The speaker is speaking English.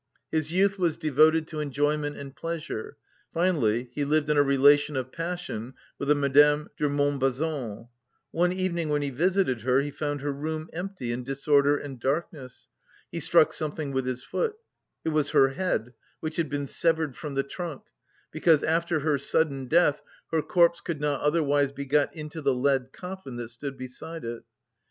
His youth was devoted to enjoyment and pleasure; finally, he lived in a relation of passion with a Madame de Montbazon. One evening, when he visited her, he found her room empty, in disorder and darkness. He struck something with his foot; it was her head, which had been severed from the trunk, because after her sudden death her corpse could not otherwise be got into the lead coffin that stood beside it.